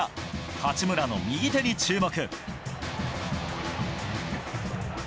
八村の右手に注目。